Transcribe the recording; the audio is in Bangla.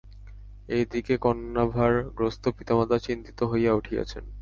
এ দিকে কন্যাভারগ্রস্ত পিতামাতা চিন্তিত হইয়া উঠিয়াছেন।